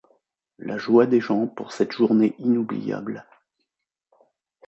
la joie des gens pour cette journée inoubliable